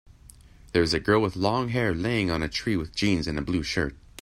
There is a girl with long hair laying on a tree with jeans and a blue shirt.